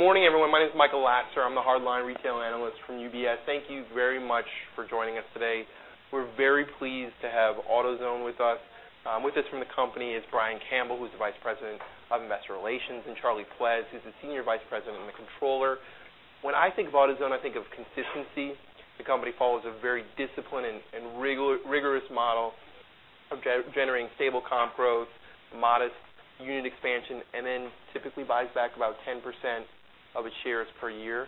Good morning, everyone. My name is Michael Lasser. I'm the hardline retail analyst from UBS. Thank you very much for joining us today. We're very pleased to have AutoZone with us. With us from the company is Brian Campbell, who's the Vice President of Investor Relations, and Charlie Pleas, who's the Senior Vice President and the Controller. When I think of AutoZone, I think of consistency. The company follows a very disciplined and rigorous model of generating stable comp growth, modest unit expansion, and then typically buys back about 10% of its shares per year.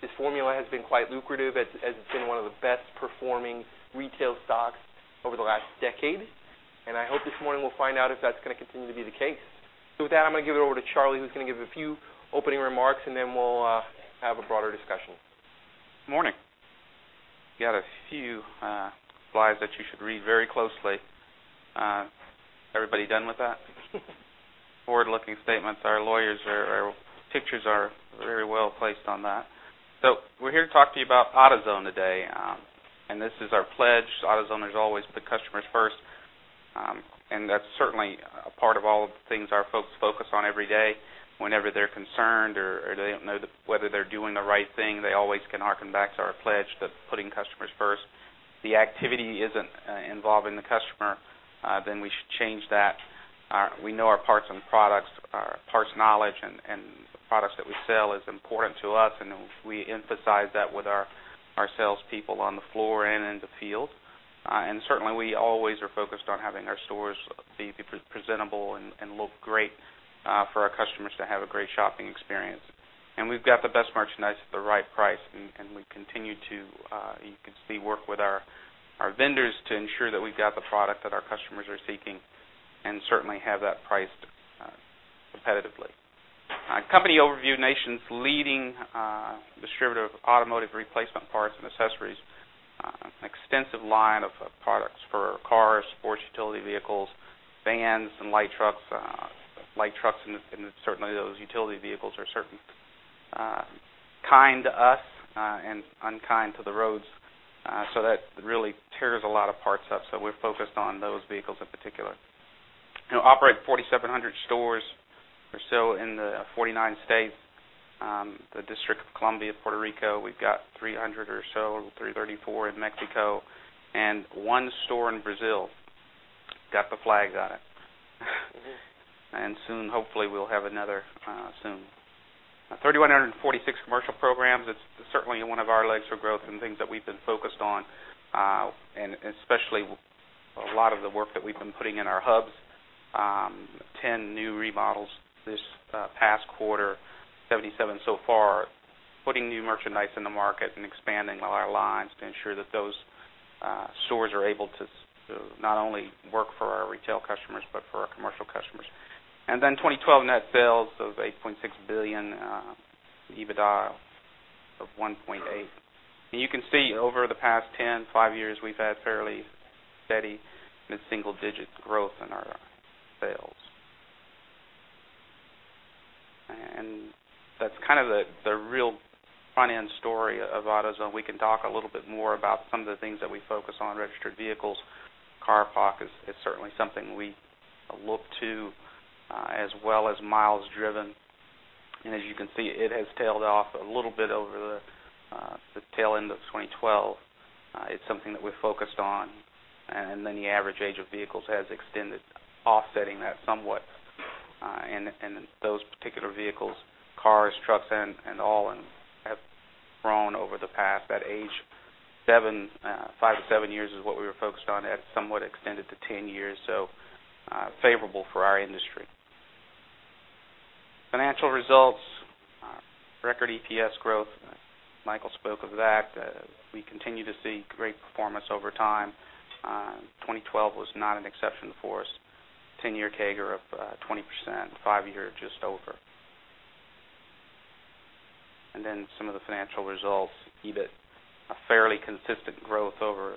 This formula has been quite lucrative as it's been one of the best-performing retail stocks over the last decade, and I hope this morning we'll find out if that's going to continue to be the case. With that, I'm going to give it over to Charlie, who's going to give a few opening remarks, and then we'll have a broader discussion. Morning. Got a few slides that you should read very closely. Everybody done with that? Forward-looking statements. Pictures are very well placed on that. We're here to talk to you about AutoZone today and this is our pledge. AutoZone is always put the customers first, and that's certainly a part of all of the things our folks focus on every day. Whenever they're concerned or they don't know whether they're doing the right thing, they always can harken back to our pledge that putting customers first, the activity isn't involving the customer, then we should change that. We know our parts and products, our parts knowledge and the products that we sell is important to us, and we emphasize that with our salespeople on the floor and in the field. Certainly, we always are focused on having our stores be presentable and look great, for our customers to have a great shopping experience. We've got the best merchandise at the right price, and we continue to, you can see, work with our vendors to ensure that we've got the product that our customers are seeking and certainly have that priced competitively. Company overview. Nation's leading distributor of automotive replacement parts and accessories. An extensive line of products for cars, sports utility vehicles, vans, and light trucks. Light trucks and certainly those utility vehicles are certain kind to us, and unkind to the roads, so that really tears a lot of parts up. We're focused on those vehicles in particular. Operate 4,700 stores or so in the 49 states, the District of Columbia, Puerto Rico. We've got 300 or so, 334 in Mexico and one store in Brazil. Got the flags on it. Soon, hopefully, we'll have another soon. 3,146 commercial programs. It's certainly one of our legs for growth and things that we've been focused on, especially a lot of the work that we've been putting in our hubs. 10 new remodels this past quarter, 77 so far. Putting new merchandise in the market and expanding our lines to ensure that those stores are able to not only work for our retail customers but for our commercial customers. 2012 net sales of $8.6 billion, EBITDA of $1.8. You can see over the past 10, five years, we've had fairly steady mid-single-digit growth in our sales. That's kind of the real finance story of AutoZone. We can talk a little bit more about some of the things that we focus on. Registered vehicles, car parc is certainly something we look to, as well as miles driven. As you can see, it has tailed off a little bit over the tail end of 2012. It's something that we're focused on. The average age of vehicles has extended, offsetting that somewhat, and those particular vehicles, cars, trucks, and all have grown over the past. That age, five to seven years is what we were focused on. That somewhat extended to 10 years, so favorable for our industry. Financial results. Record EPS growth. Michael spoke of that. We continue to see great performance over time. 2012 was not an exception for us. 10-year CAGR of 20%, five-year just over. Some of the financial results, EBIT, a fairly consistent growth over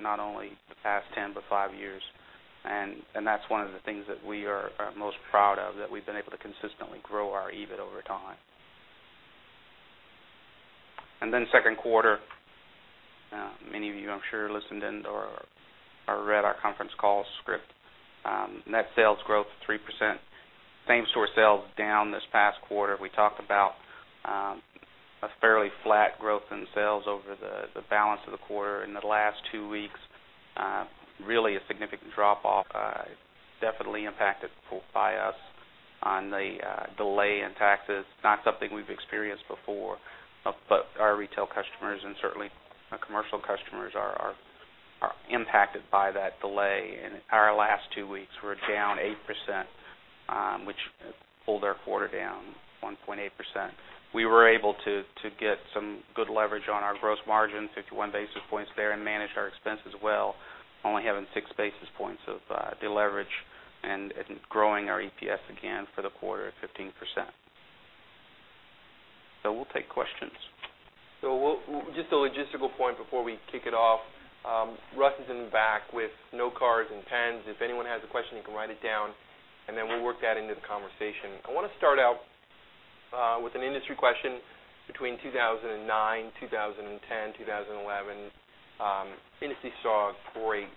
not only the past 10 but five years. That's one of the things that we are most proud of, that we've been able to consistently grow our EBIT over time. Second quarter. Many of you, I'm sure, listened in or read our conference call script. Net sales growth 3%. Same-store sales down this past quarter. We talked about a fairly flat growth in sales over the balance of the quarter and the last two weeks. Really a significant drop-off, definitely impacted by us on the delay in taxes. Not something we've experienced before, but our retail customers and certainly our commercial customers are impacted by that delay. In our last two weeks, we're down 8%, which pulled our quarter down 1.8%. We were able to get some good leverage on our gross margin, 51 basis points there, and manage our expenses well, only having six basis points of deleverage and growing our EPS again for the quarter at 15%. We'll take questions. Just a logistical point before we kick it off. Russ is in the back with notecards and pens. If anyone has a question, you can write it down and then we'll work that into the conversation. I want to start out with an industry question. Between 2009, 2010, 2011, the industry saw great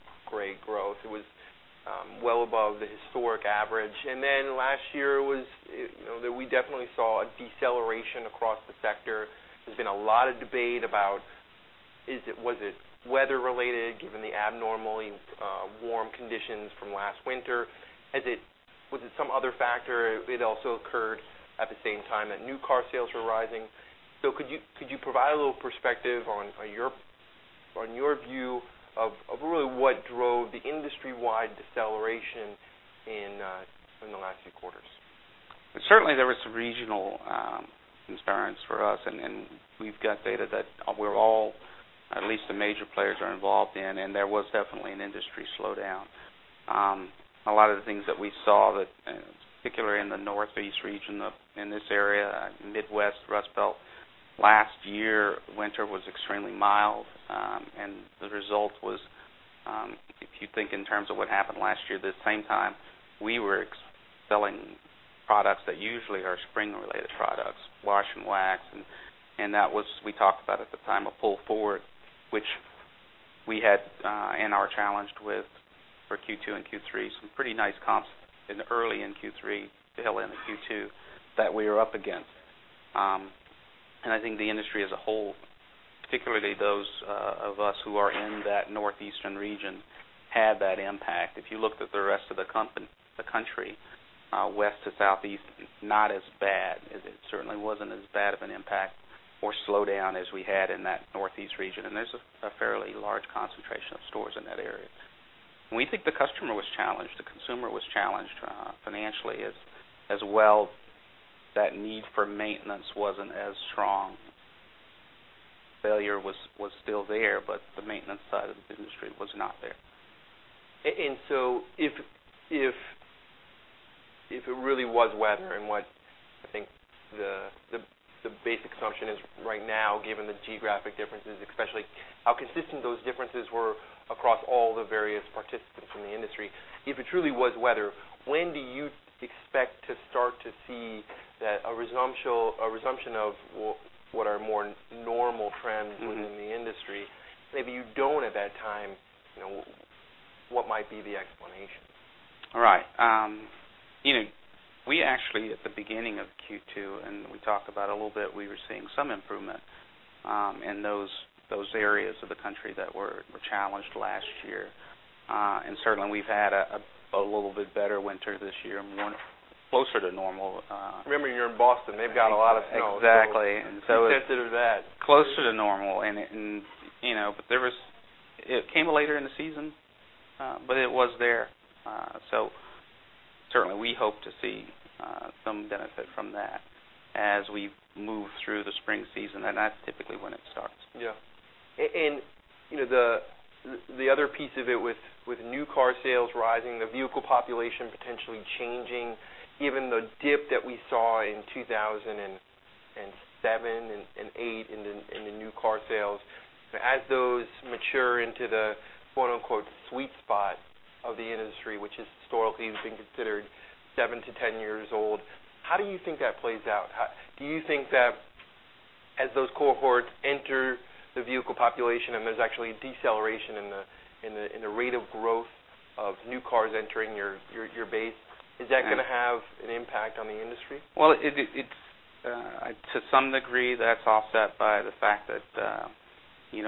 growth. It was well above the historic average. Last year, we definitely saw a deceleration across the sector. There's been a lot of debate about was it weather related, given the abnormally warm conditions from last winter? Was it some other factor? It also occurred at the same time that new car sales were rising. Could you provide a little perspective on your view of really what drove the industry-wide deceleration in the last few quarters? Certainly, there was some regional concerns for us, we've got data that we're all, at least the major players, are involved in, and there was definitely an industry slowdown. A lot of the things that we saw, particularly in the Northeast region, in this area, Midwest Rust Belt, last year, winter was extremely mild. The result was, if you think in terms of what happened last year, at the same time, we were selling products that usually are spring related products, wash and wax. That was, we talked about at the time, a pull forward, which we had and are challenged with for Q2 and Q3, some pretty nice comps in early in Q3, tail end of Q2, that we are up against. I think the industry as a whole, particularly those of us who are in that Northeastern region, had that impact. If you looked at the rest of the country, West to Southeast, not as bad. It certainly wasn't as bad of an impact or slowdown as we had in that Northeast region. There's a fairly large concentration of stores in that area. We think the customer was challenged, the consumer was challenged financially as well. That need for maintenance wasn't as strong. Failure was still there, but the maintenance side of the industry was not there. If it really was weather and what I think the basic assumption is right now, given the geographic differences especially, how consistent those differences were across all the various participants in the industry. If it truly was weather, when do you expect to start to see a resumption of what are more normal trends within the industry? Maybe you don't at that time, what might be the explanation? Right. We actually, at the beginning of Q2, and we talked about a little bit, we were seeing some improvement in those areas of the country that were challenged last year. Certainly, we've had a little bit better winter this year, more closer to normal. Remember, you're in Boston. They've got a lot of snow. Exactly. Be sensitive to that. Closer to normal. It came later in the season, but it was there. Certainly, we hope to see some benefit from that as we move through the spring season, and that's typically when it starts. The other piece of it with new car sales rising, the vehicle population potentially changing, given the dip that we saw in 2007 and 2008 in the new car sales. As those mature into the quote unquote "sweet spot" of the industry, which historically has been considered seven to 10 years old, how do you think that plays out? Do you think that as those cohorts enter the vehicle population and there's actually a deceleration in the rate of growth of new cars entering your base, is that going to have an impact on the industry? Well, to some degree, that's offset by the fact that you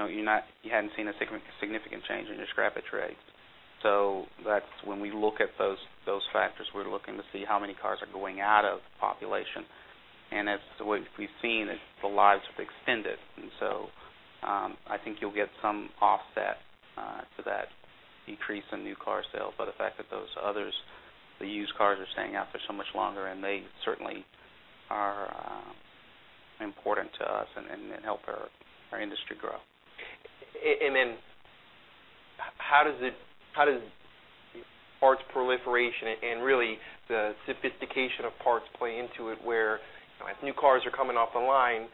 hadn't seen a significant change in your scrappage rates. When we look at those factors, we're looking to see how many cars are going out of population. As we've seen, the lives have extended. I think you'll get some offset to that decrease in new car sales by the fact that those others, the used cars, are staying out for so much longer, and they certainly are important to us and help our industry grow. How does parts proliferation and really the sophistication of parts play into it, where as new cars are coming off the line,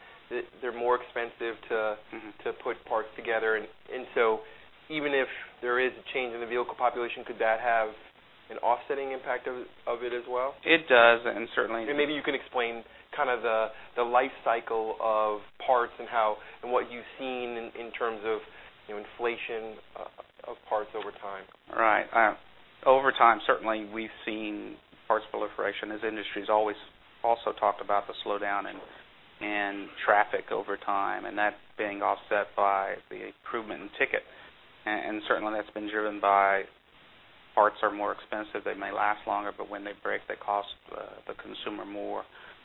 they're more expensive to put parts together. Even if there is a change in the vehicle population, could that have an offsetting impact of it as well? It does, and certainly. Maybe you can explain kind of the life cycle of parts and what you've seen in terms of inflation of parts over time. Right. Over time, certainly, we've seen parts proliferation as industries always also talked about the slowdown in traffic over time, and that being offset by the improvement in ticket. Certainly, that's been driven by parts are more expensive. They may last longer, but when they break, they cost the consumer more.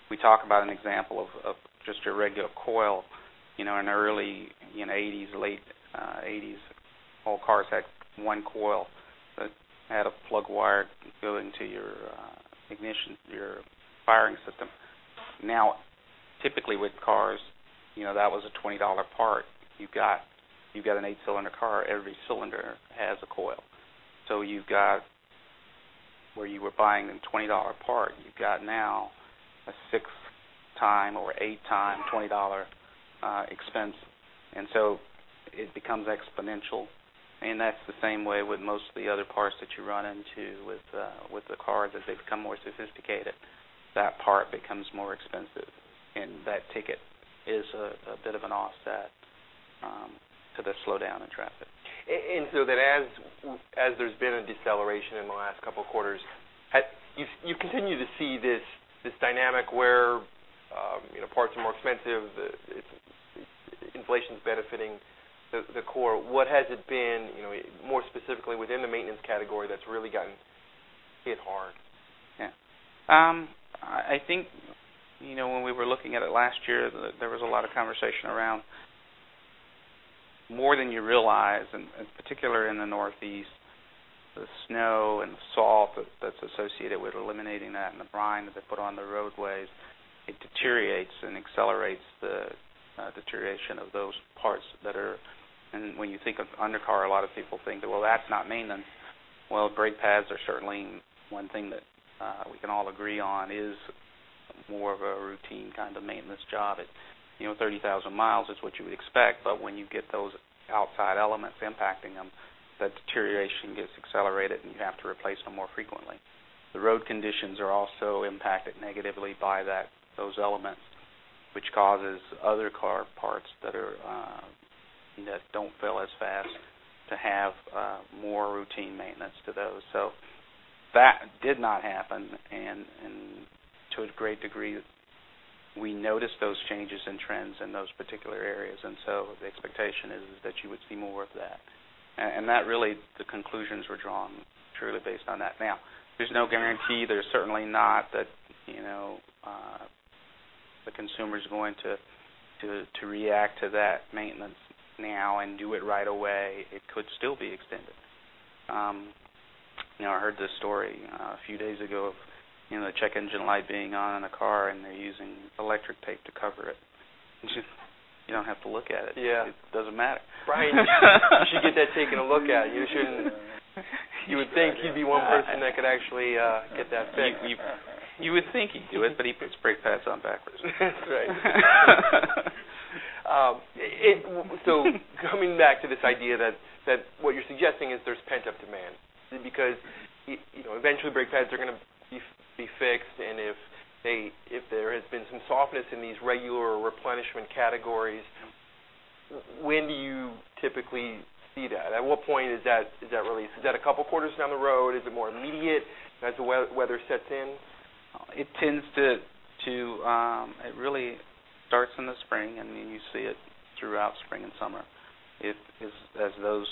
We talk about an example of just your regular coil. In early 1980s, late 1980s, all cars had one coil that had a plug wire go into your ignition, your firing system. Now, typically with cars, that was a $20 part. If you've got an eight-cylinder car, every cylinder has a coil. So where you were buying a $20 part, you've got now a six times or eight times $20 expense. It becomes exponential. That's the same way with most of the other parts that you run into with the car. They've become more sophisticated, that part becomes more expensive, and that ticket is a bit of an offset to the slowdown in traffic. That as there's been a deceleration in the last two quarters, you continue to see this dynamic where parts are more expensive, inflation's benefiting the core. What has it been, more specifically within the maintenance category, that's really gotten hit hard? When we were looking at it last year, there was a lot of conversation around more than you realize, particularly in the Northeast, the snow and the salt that's associated with eliminating that and the brine that they put on the roadways, it deteriorates and accelerates the deterioration of those parts. When you think of undercar, a lot of people think that, "Well, that's not maintenance." Well, brake pads are certainly one thing that we can all agree on is more of a routine kind of maintenance job at 30,000 miles is what you would expect. When you get those outside elements impacting them, that deterioration gets accelerated, and you have to replace them more frequently. The road conditions are also impacted negatively by those elements, which causes other car parts that don't fail as fast to have more routine maintenance to those. That did not happen, and to a great degree, we noticed those changes in trends in those particular areas. The expectation is that you would see more of that. That really, the conclusions were drawn truly based on that. There's no guarantee, there's certainly not that the consumer's going to react to that maintenance now and do it right away. It could still be extended. I heard this story a few days ago of the "check engine" light being on in a car, and they're using electric tape to cover it. You don't have to look at it. Yeah. It doesn't matter. You should get that taken a look at. You would think he'd be one person that could actually get that fixed. You would think he'd do it, he puts brake pads on backwards. Right. Coming back to this idea that what you're suggesting is there's pent-up demand because eventually brake pads are going to be fixed and if there has been some softness in these regular replenishment categories, when do you typically see that? At what point is that relief? Is that a couple of quarters down the road? Is it more immediate as the weather sets in? It really starts in the spring, you see it throughout spring and summer. As those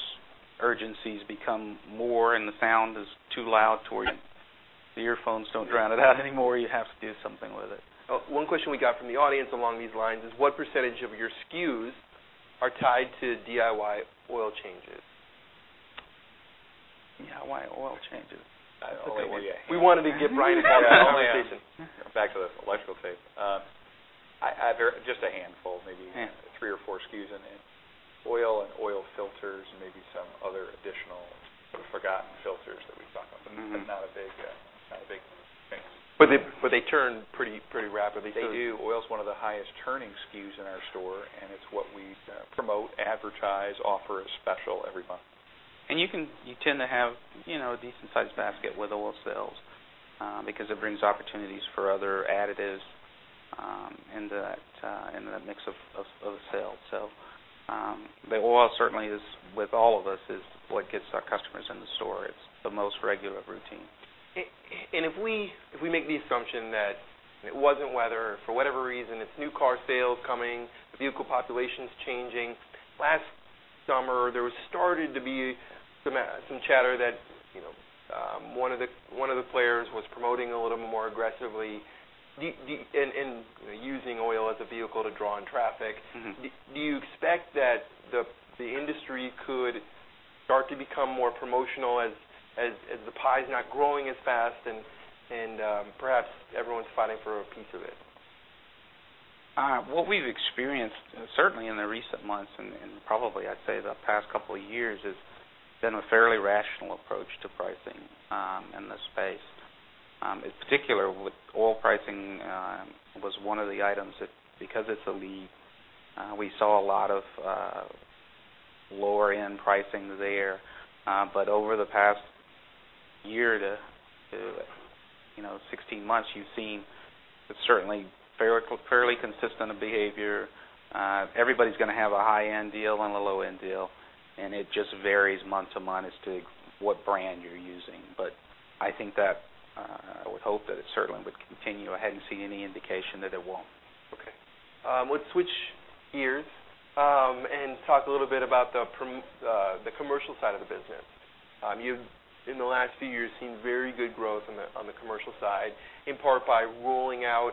urgencies become more and the sound is too loud to where the earphones don't drown it out anymore, you have to do something with it. One question we got from the audience along these lines is, what percentage of your SKUs are tied to DIY oil changes? DIY oil changes. Okay. We wanted to get Brian to talk about oil changes. Back to the electrical tape. Just a handful, maybe three or four SKUs in it. Oil and oil filters and maybe some other additional forgotten filters that we stock, not a big thing. They turn pretty rapidly. They do. Oil's one of the highest turning SKUs in our store, and it's what we promote, advertise, offer as special every month. You tend to have a decent-sized basket with oil sales, because it brings opportunities for other additives in the mix of a sale. The oil certainly is, with all of us, is what gets our customers in the store. It's the most regular routine. If we make the assumption that it wasn't weather, for whatever reason, it's new car sales coming, the vehicle population's changing. Last summer, there started to be some chatter that one of the players was promoting a little more aggressively and using oil as a vehicle to draw in traffic. Do you expect that the industry could start to become more promotional as the pie is not growing as fast and perhaps everyone's fighting for a piece of it? What we've experienced, certainly in the recent months and probably I'd say the past couple of years, is been a fairly rational approach to pricing in this space. In particular, with oil pricing, was one of the items that because it's a lead, we saw a lot of lower-end pricing there. Over the past year to 16 months, you've seen certainly fairly consistent behavior. Everybody's going to have a high-end deal and a low-end deal, and it just varies month to month as to what brand you're using. I would hope that it certainly would continue. I hadn't seen any indication that it won't. Okay. Let's switch gears and talk a little bit about the commercial side of the business. You've, in the last few years, seen very good growth on the commercial side, in part by rolling out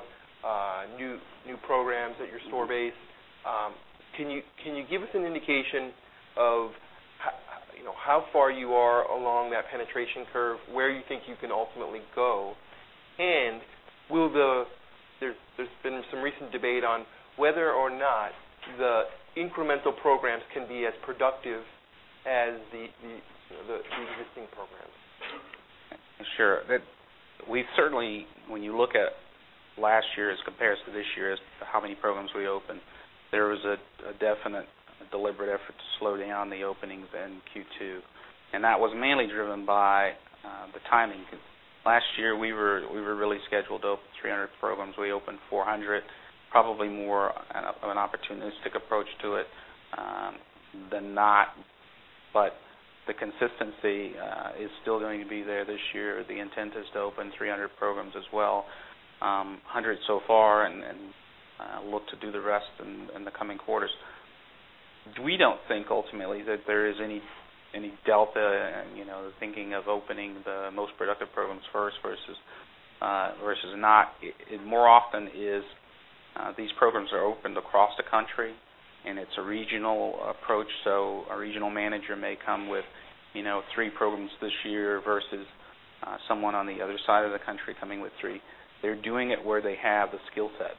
new programs at your store base. Can you give us an indication of how far you are along that penetration curve? Where you think you can ultimately go? There's been some recent debate on whether or not the incremental programs can be as productive as the existing programs. Sure. We certainly, when you look at last year as compared to this year as to how many programs we opened, there was a definite deliberate effort to slow down the openings in Q2, that was mainly driven by the timing because last year we were really scheduled to open 300 programs. We opened 400, probably more of an opportunistic approach to it than not, the consistency is still going to be there this year. The intent is to open 300 programs as well, 100 so far and look to do the rest in the coming quarters. We don't think ultimately that there is any delta in the thinking of opening the most productive programs first versus not. It more often is these programs are opened across the country, it's a regional approach. A regional manager may come with three programs this year versus someone on the other side of the country coming with three. They're doing it where they have the skill set.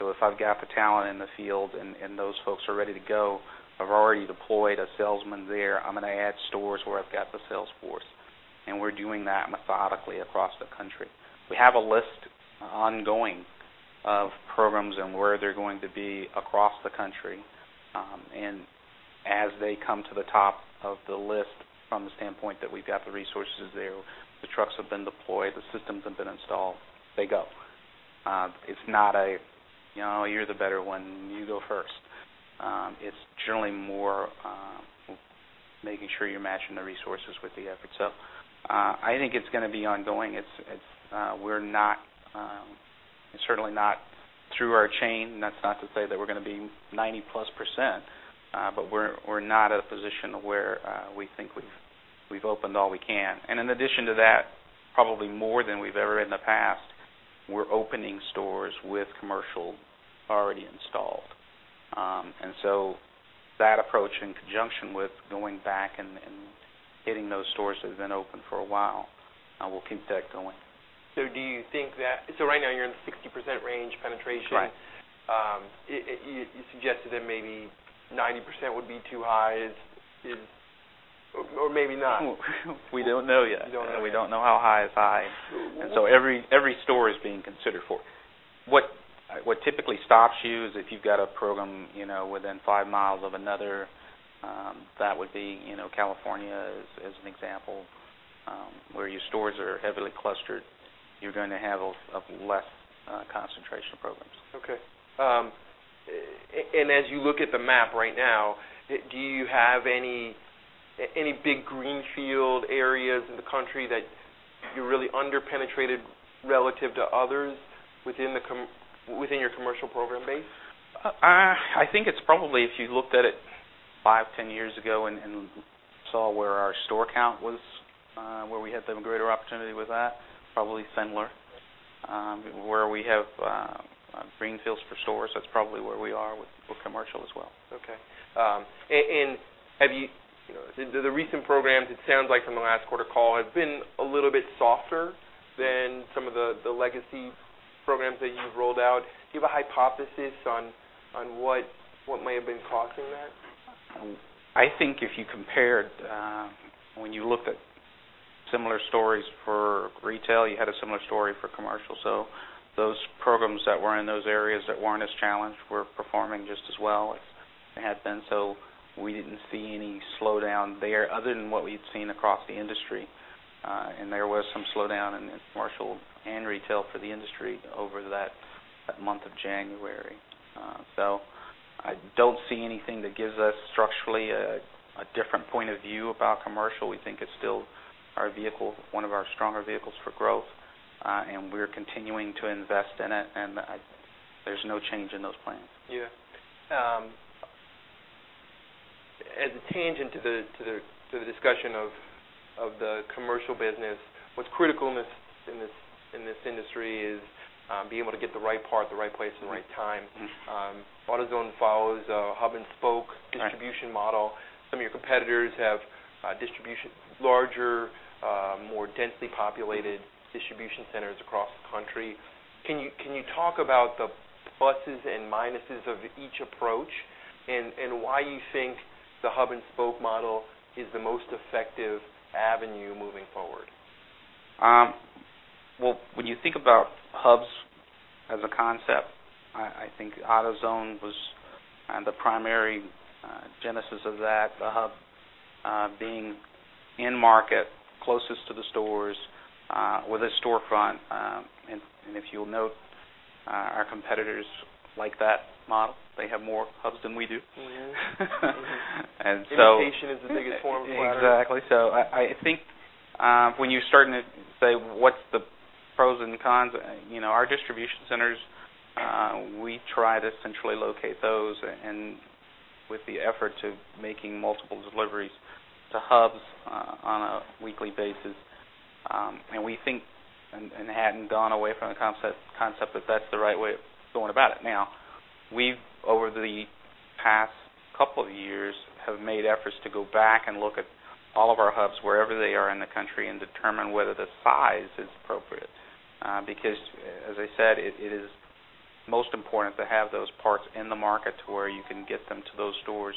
If I've got the talent in the field and those folks are ready to go, I've already deployed a salesman there. I'm going to add stores where I've got the sales force. We're doing that methodically across the country. We have a list ongoing of programs and where they're going to be across the country. As they come to the top of the list from the standpoint that we've got the resources there, the trucks have been deployed, the systems have been installed, they go. It's not a, "You're the better one, you go first." It's generally more making sure you're matching the resources with the effort. I think it's going to be ongoing. It's certainly not through our chain. That's not to say that we're going to be 90+% but we're not at a position where we think we've opened all we can. In addition to that, probably more than we've ever in the past, we're opening stores with commercial already installed. That approach in conjunction with going back and hitting those stores that have been open for a while, we'll keep that going. Do you think that, right now you're in the 60% range penetration. Right. You suggested that maybe 90% would be too high. Maybe not. We don't know yet. You don't know yet. We don't know how high is high. Every store is being considered for it. What typically stops you is if you've got a program within five miles of another, that would be California as an example, where your stores are heavily clustered, you're going to have a less concentration of programs. Okay. As you look at the map right now, do you have any big greenfield areas in the country that you're really under-penetrated relative to others within your commercial program base? I think it's probably if you looked at it five, 10 years ago and saw where our store count was, where we had the greater opportunity with that, probably similar. Where we have greenfields for stores, that's probably where we are with commercial as well. Okay. Do the recent programs, it sounds like from the last quarter call, have been a little bit softer than some of the legacy programs that you've rolled out? Do you have a hypothesis on what may have been causing that? I think if you compared when you looked at similar stories for retail, you had a similar story for commercial. Those programs that were in those areas that weren't as challenged were performing just as well as they had been. We didn't see any slowdown there other than what we'd seen across the industry. There was some slowdown in commercial and retail for the industry over that month of January. I don't see anything that gives us structurally a different point of view about commercial. We think it's still our vehicle, one of our stronger vehicles for growth, and we're continuing to invest in it, and there's no change in those plans. Yeah. As a tangent to the discussion of the commercial business, what's critical in this industry is being able to get the right part at the right place at the right time. AutoZone follows a hub and spoke distribution model. Some of your competitors have distribution, larger, more densely populated distribution centers across the country. Can you talk about the pluses and minuses of each approach and why you think the hub and spoke model is the most effective avenue moving forward? Well, when you think about hubs as a concept, I think AutoZone was the primary genesis of that, the hub being in market, closest to the stores, with a storefront. If you'll note, our competitors like that model. They have more hubs than we do. Yeah. Imitation is the biggest form of flattery. Exactly. I think when you're starting to say what's the pros and cons, our distribution centers, we try to centrally locate those and with the effort to making multiple deliveries to hubs on a weekly basis. We think and hadn't gone away from the concept that that's the right way of going about it. Now, we've, over the past couple of years, have made efforts to go back and look at all of our hubs wherever they are in the country and determine whether the size is appropriate. Because as I said, it is most important to have those parts in the market to where you can get them to those stores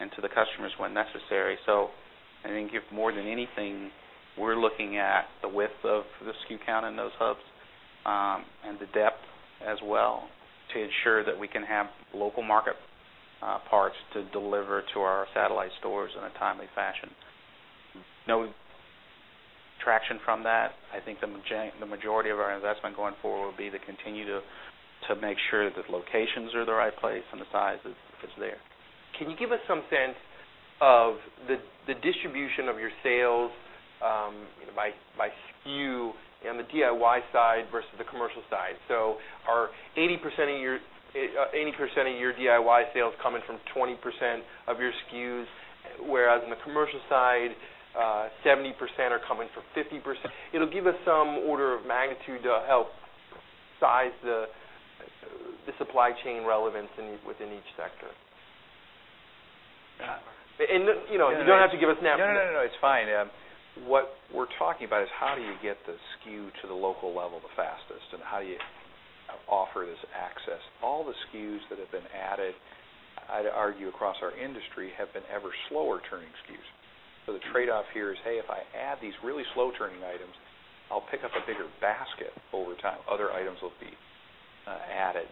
and to the customers when necessary. I think if more than anything, we're looking at the width of the SKU count in those hubs, and the depth as well, to ensure that we can have local market parts to deliver to our satellite stores in a timely fashion. No traction from that. I think the majority of our investment going forward will be to continue to make sure that the locations are the right place and the size is there. Can you give us some sense of the distribution of your sales by SKU on the DIY side versus the commercial side? Are 80% of your DIY sales coming from 20% of your SKUs, whereas on the commercial side, 70% are coming from 50%? It'll give us some order of magnitude to help size the supply chain relevance within each sector. Yeah. You don't have to give us an answer. No, it's fine. What we're talking about is how do you get the SKU to the local level the fastest, and how do you offer this access? All the SKUs that have been added, I'd argue, across our industry, have been ever slower turning SKUs. The trade-off here is, hey, if I add these really slow turning items, I'll pick up a bigger basket over time. Other items will be added.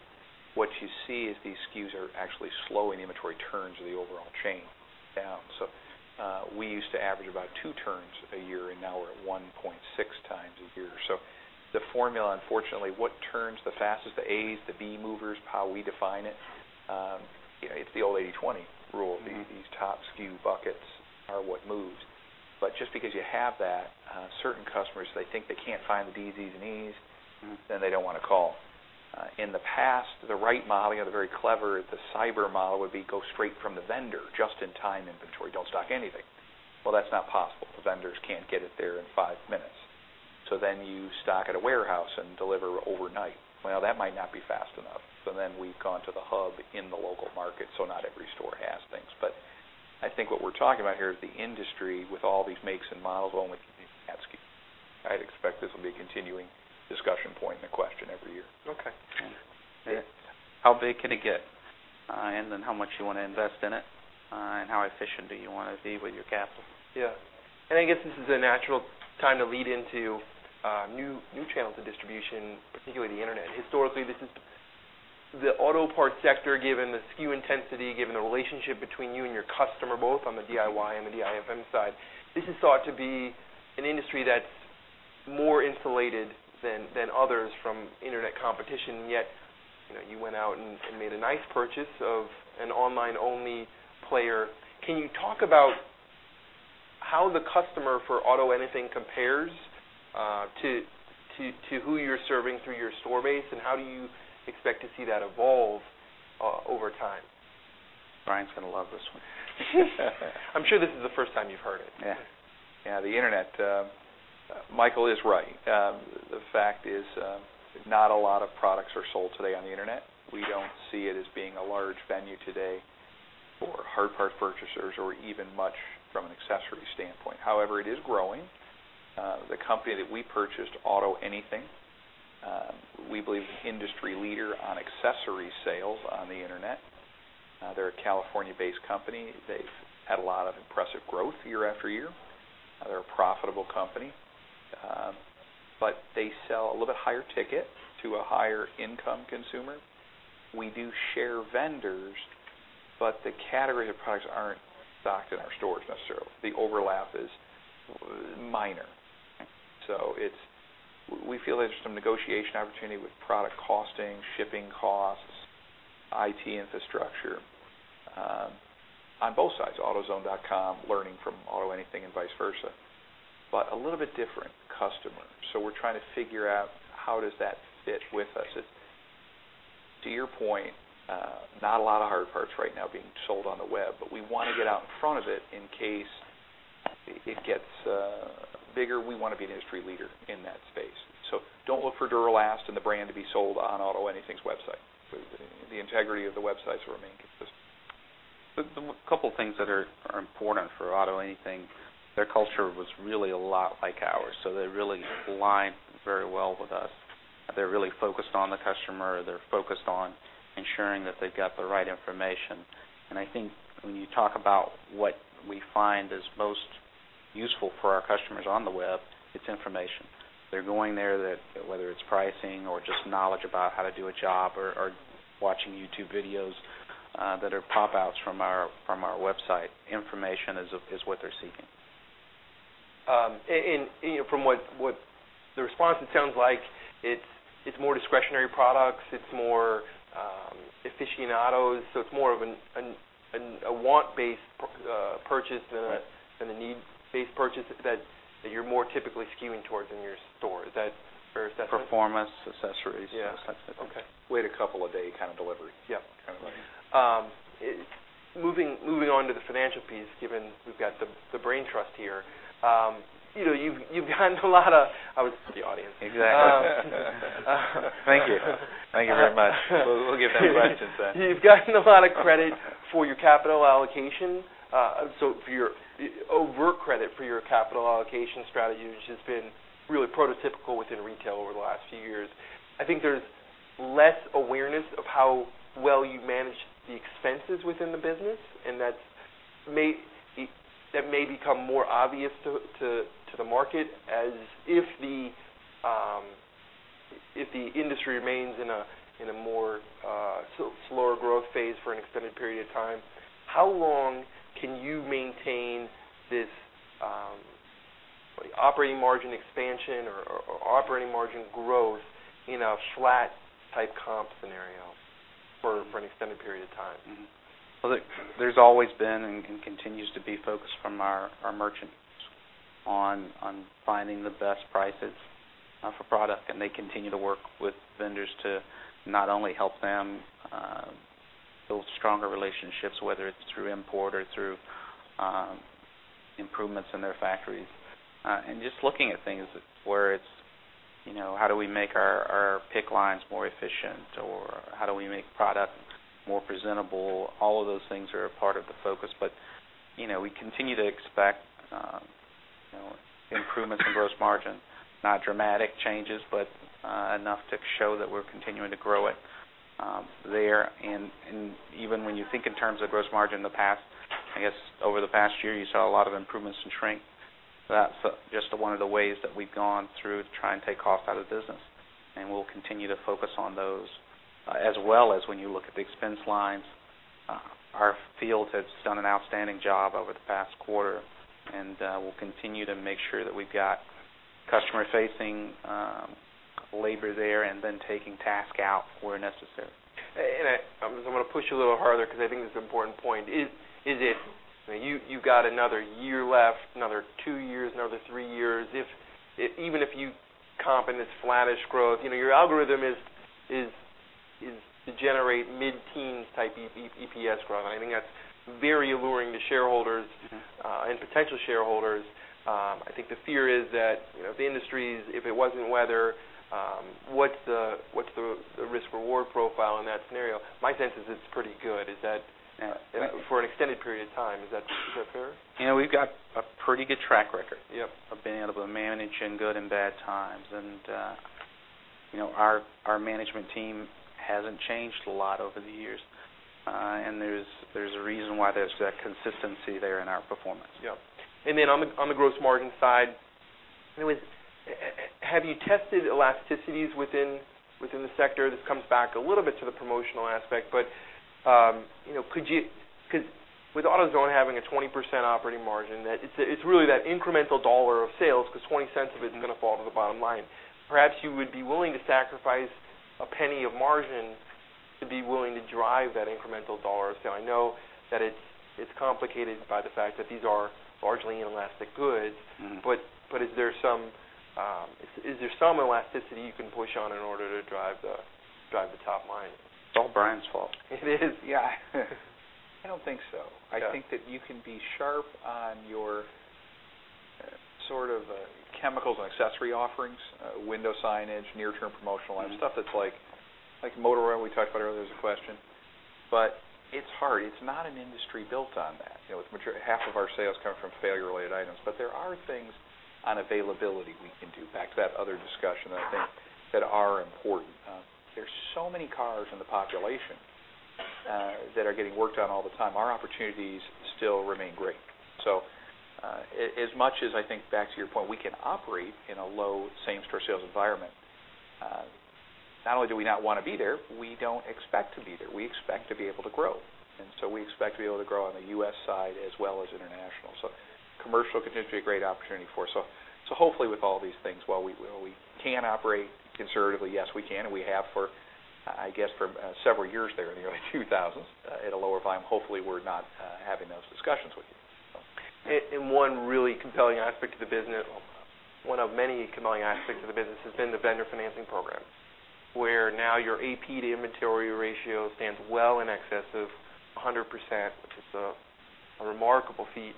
What you see is these SKUs are actually slowing inventory turns of the overall chain down. We used to average about two turns a year, and now we're at 1.6 times a year. The formula, unfortunately, what turns the fastest, the As, the B movers, how we define it's the old 80/20 rule. These top SKU buckets are what moves. Just because you have that, certain customers, they think they can't find the D, Zs, and EEs. They don't want to call. In the past, the right model, the very clever, the cyber model would be go straight from the vendor, just-in-time inventory. Don't stock anything. That's not possible. The vendors can't get it there in five minutes. You stock at a warehouse and deliver overnight. That might not be fast enough. We've gone to the hub in the local market, so not every store has things. I think what we're talking about here is the industry with all these makes and models only can add SKU. I'd expect this will be a continuing discussion point and a question every year. Okay. How big can it get, and then how much you want to invest in it, and how efficient do you want to be with your capital? I guess this is a natural time to lead into new channels of distribution, particularly the internet. Historically, the auto parts sector, given the SKU intensity, given the relationship between you and your customer, both on the DIY and the DIFM side, this is thought to be an industry that's more insulated than others from internet competition, and yet you went out and made a nice purchase of an online-only player. Can you talk about how the customer for AutoAnything compares to who you're serving through your store base, and how do you expect to see that evolve over time? Brian's going to love this one. I'm sure this is the first time you've heard it. Yeah. The internet. Michael Lasser is right. The fact is, not a lot of products are sold today on the internet. We don't see it as being a large venue today for hard part purchasers or even much from an accessory standpoint. However, it is growing. The company that we purchased, AutoAnything, we believe industry leader on accessory sales on the internet. They're a California-based company. They've had a lot of impressive growth year after year. They're a profitable company. They sell a little bit higher ticket to a higher income consumer. We do share vendors, the category of products aren't stocked in our stores necessarily. The overlap is minor. We feel there's some negotiation opportunity with product costing, shipping costs, IT infrastructure, on both sides, autozone.com learning from AutoAnything and vice versa, a little bit different customer. We're trying to figure out how does that fit with us. To your point, not a lot of hard parts right now being sold on the web, we want to get out in front of it in case it gets bigger. We want to be an industry leader in that space. Don't look for Duralast and the brand to be sold on AutoAnything's website. The integrity of the websites will remain consistent. A couple of things that are important for AutoAnything. Their culture was really a lot like ours, they really align very well with us. They're really focused on the customer. They're focused on ensuring that they've got the right information. I think when you talk about what we find is most useful for our customers on the web, it's information. They're going there, whether it's pricing or just knowledge about how to do a job or watching YouTube videos that are pop-outs from our website. Information is what they're seeking. From the response, it sounds like it's more discretionary products. It's more aficionados. It's more of a want-based purchase than a need-based purchase that you're more typically skewing towards in your store. Is that fair to say? Performance, accessories. Yeah. Okay. Wait a couple of day kind of delivery. Yeah. Kind of thing. Moving on to the financial piece, given we've got the brain trust here. You've gotten a lot of the audience. Exactly. Thank you. Thank you very much. We'll give them questions then. You've gotten a lot of credit for your capital allocation strategy, which has been really prototypical within retail over the last few years. I think there's less awareness of how well you manage the expenses within the business, and that may become more obvious to the market as if the industry remains in a more slower growth phase for an extended period of time. How long can you maintain this operating margin expansion or operating margin growth in a flat type comp scenario for an extended period of time? Well, look, there's always been and continues to be focus from our merchants on finding the best prices for product, and they continue to work with vendors to not only help them build stronger relationships, whether it's through import or through improvements in their factories. Just looking at things where it's how do we make our pick lines more efficient or how do we make product more presentable? All of those things are a part of the focus. We continue to expect improvements in gross margin, not dramatic changes, but enough to show that we're continuing to grow it there. Even when you think in terms of gross margin, I guess over the past year, you saw a lot of improvements in shrink. That's just one of the ways that we've gone through to try and take cost out of the business. We'll continue to focus on those. As well as when you look at the expense lines, our field has done an outstanding job over the past quarter. We'll continue to make sure that we've got customer-facing labor there and then taking task out where necessary. I'm going to push you a little harder because I think this is an important point. You've got another year left, another two years, another three years. Even if you comp in this flattish growth, your algorithm is to generate mid-teens type EPS growth. I think that's very alluring to shareholders. potential shareholders. I think the fear is that the industries, if it wasn't weather, what's the risk-reward profile in that scenario? My sense is it's pretty good. Yeah for an extended period of time. Is that fair? We've got a pretty good track record. Yep of being able to manage in good and bad times. Our management team hasn't changed a lot over the years. There's a reason why there's that consistency there in our performance. Yep. On the gross margin side, have you tested elasticities within the sector? This comes back a little bit to the promotional aspect. With AutoZone having a 20% operating margin, it's really that incremental dollar of sales because $0.20 of it is going to fall to the bottom line. Perhaps you would be willing to sacrifice a penny of margin to be willing to drive that incremental dollar. I know that it's complicated by the fact that these are largely inelastic goods. Is there some elasticity you can push on in order to drive the top line? It's all Brian's fault. It is? Yeah. I don't think so. Yeah. I think that you can be sharp on your sort of chemicals and accessory offerings, window signage, near-term promotional items, stuff that's like motor oil. We talked about earlier as a question. It's hard. It's not an industry built on that. Half of our sales come from failure-related items. There are things on availability we can do. Back to that other discussion, I think that are important. There's so many cars in the population that are getting worked on all the time. Our opportunities still remain great. As much as I think, back to your point, we can operate in a low same store sales environment. Not only do we not want to be there, we don't expect to be there. We expect to be able to grow, we expect to be able to grow on the U.S. side as well as international. Commercial continues to be a great opportunity for us. Hopefully with all these things, while we can operate conservatively, yes, we can and we have for I guess, for several years there in the early 2000s at a lower volume. Hopefully we're not having those discussions with you. One really compelling aspect of the business, one of many compelling aspects of the business has been the vendor financing program. Where now your AP to inventory ratio stands well in excess of 100%, which is a remarkable feat.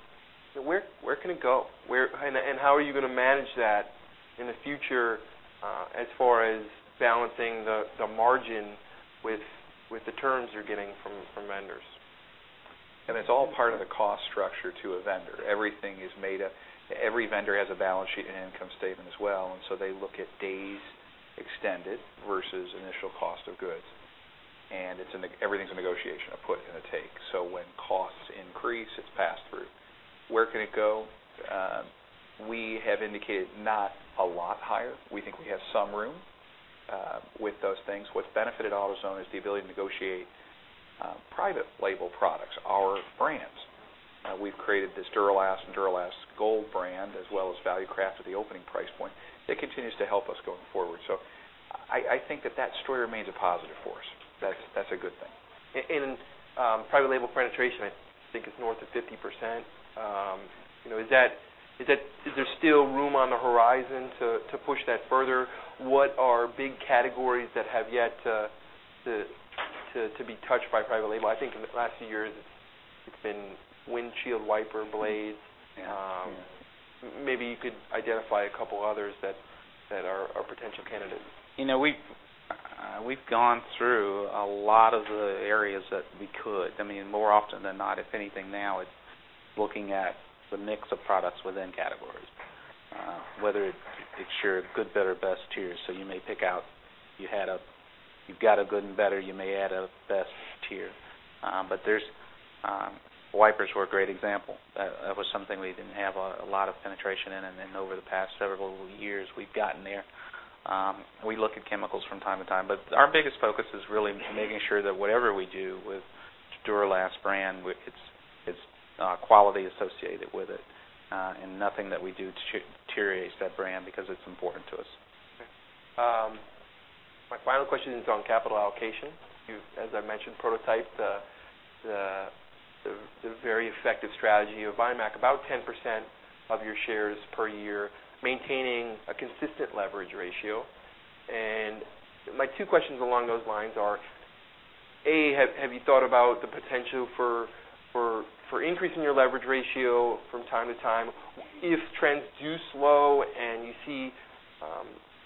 Where can it go? How are you going to manage that in the future as far as balancing the margin with the terms you're getting from vendors? It's all part of the cost structure to a vendor. Every vendor has a balance sheet and income statement as well. They look at days extended versus initial cost of goods. Everything's a negotiation, a put and a take. When costs increase, it's passed through. Where can it go? We have indicated not a lot higher. We think we have some room with those things. What's benefited AutoZone is the ability to negotiate private label products, our brands. We've created this Duralast and Duralast Gold brand, as well as Valucraft at the opening price point that continues to help us going forward. I think that story remains a positive for us. That's a good thing. Private label penetration, I think it's north of 50%. Is there still room on the horizon to push that further? What are big categories that have yet to be touched by private label? I think in the last few years it's been windshield wiper blades. Yes. Maybe you could identify a couple others that are potential candidates. We've gone through a lot of the areas that we could. More often than not, if anything now it's looking at the mix of products within categories. Whether it's your good, better, best tier. You may pick out, you've got a good and better, you may add a best tier. Wipers were a great example. That was something we didn't have a lot of penetration in, and then over the past several years, we've gotten there. We look at chemicals from time to time, our biggest focus is really making sure that whatever we do with Duralast brand, its quality associated with it. Nothing that we do deteriorates that brand because it's important to us. Okay. My final question is on capital allocation. You, as I mentioned, prototyped the very effective strategy of buying back about 10% of your shares per year, maintaining a consistent leverage ratio, and my two questions along those lines are, A, have you thought about the potential for increasing your leverage ratio from time to time? If trends do slow and you see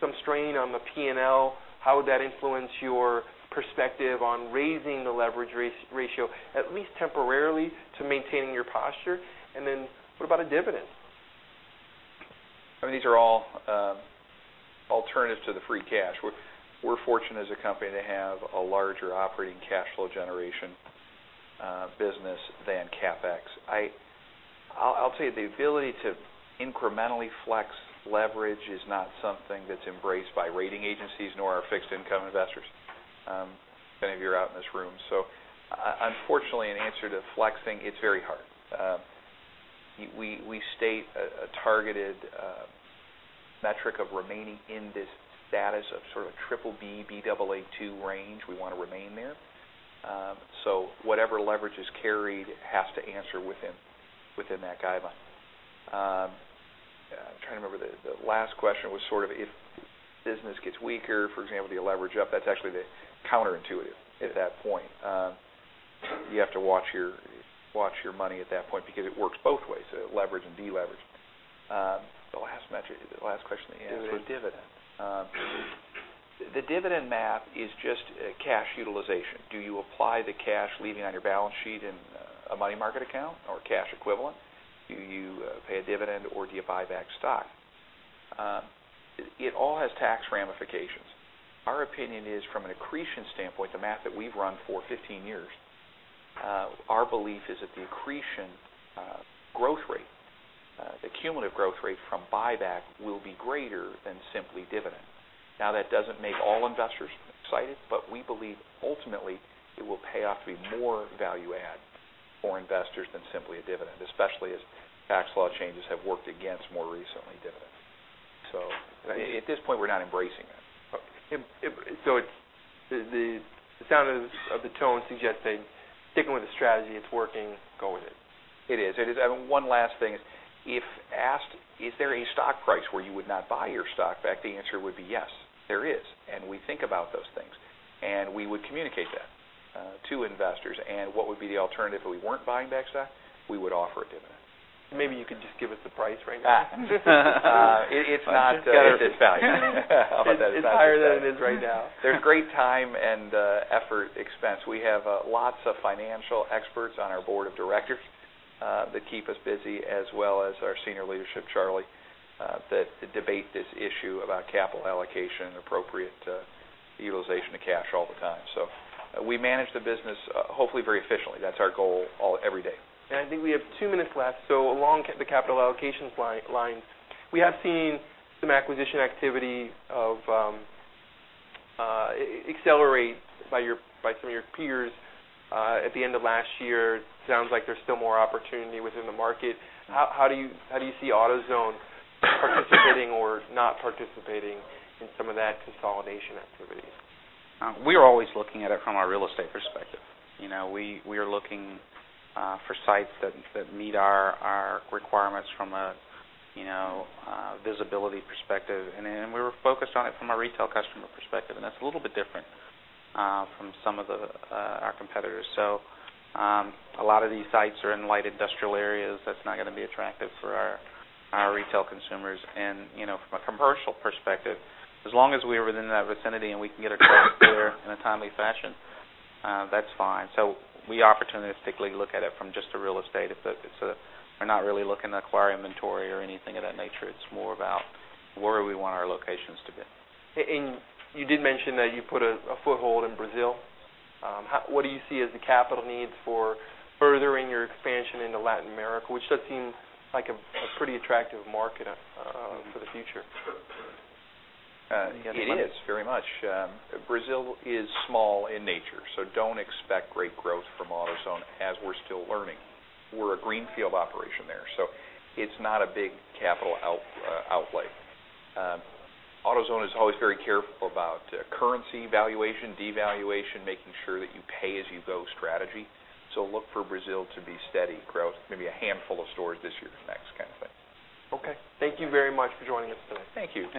some strain on the P&L, how would that influence your perspective on raising the leverage ratio, at least temporarily, to maintaining your posture? What about a dividend? These are all alternatives to the free cash. We're fortunate as a company to have a larger operating cash flow generation business than CapEx. I'll tell you, the ability to incrementally flex leverage is not something that's embraced by rating agencies, nor our fixed income investors, many of you are out in this room. Unfortunately, in answer to flexing, it's very hard. We state a targeted metric of remaining in this status of sort of BBB, Baa2 range. We want to remain there. Whatever leverage is carried has to answer within that guideline. I'm trying to remember, the last question was sort of if business gets weaker, for example, do you leverage up? That's actually counterintuitive at that point. You have to watch your money at that point because it works both ways, leverage and de-leverage. The last question that you asked was- Dividend The dividend math is just cash utilization. Do you apply the cash leaving on your balance sheet in a money market account or cash equivalent? Do you pay a dividend or do you buy back stock? It all has tax ramifications. Our opinion is from an accretion standpoint, the math that we've run for 15 years, our belief is that the accretion growth rate, the cumulative growth rate from buyback will be greater than simply dividend. That doesn't make all investors excited, we believe ultimately it will pay off to be more value add for investors than simply a dividend, especially as tax law changes have worked against more recently dividends. At this point, we're not embracing that. Okay. The sound of the tone suggesting sticking with the strategy, it's working, go with it. It is. One last thing is, if asked, is there a stock price where you would not buy your stock back? The answer would be yes, there is. We think about those things, and we would communicate that to investors and what would be the alternative if we weren't buying back stock, we would offer a dividend. Maybe you could just give us the price right now. It's not. At this value. How about that? It's not just that. It's higher than it is right now. There's great time and effort expense. We have lots of financial experts on our board of directors that keep us busy as well as our senior leadership, Charlie, that debate this issue about capital allocation and appropriate utilization of cash all the time. We manage the business hopefully very efficiently. That's our goal every day. I think we have 2 minutes left. Along the capital allocations lines, we have seen some acquisition activity accelerate by some of your peers at the end of last year. It sounds like there's still more opportunity within the market. How do you see AutoZone participating or not participating in some of that consolidation activity? We are always looking at it from a real estate perspective. We are looking for sites that meet our requirements from a visibility perspective. We're focused on it from a retail customer perspective, and that's a little bit different from some of our competitors. A lot of these sites are in light industrial areas, that's not gonna be attractive for our retail consumers. From a commercial perspective, as long as we are within that vicinity and we can get a car there in a timely fashion, that's fine. We opportunistically look at it from just the real estate. We're not really looking to acquire inventory or anything of that nature. It's more about where we want our locations to be. You did mention that you put a foothold in Brazil. What do you see as the capital needs for furthering your expansion into Latin America, which does seem like a pretty attractive market for the future? It is, very much. Brazil is small in nature, don't expect great growth from AutoZone as we're still learning. We're a greenfield operation there, it's not a big capital outlay. AutoZone is always very careful about currency valuation, devaluation, making sure that you pay as you go strategy. Look for Brazil to be steady growth, maybe a handful of stores this year to next kind of thing. Okay. Thank you very much for joining us today. Thank you.